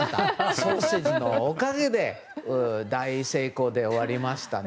ソーセージのおかげで大成功で終わりましたね。